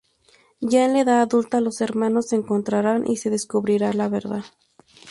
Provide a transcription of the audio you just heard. Ya en la edad adulta los hermanos se encontrarán y se descubrirá la verdad.